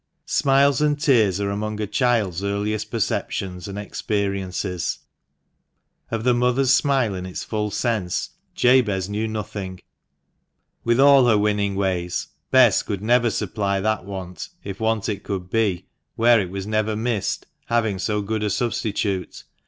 Smiles and tears are among a child's earliest perceptions and experiences. Of the mother's smile in its full sense Jabez knew nothing. With all her winning ways, Bess could never supply that want, if want it could be, where it was never missed, having so good a substitute.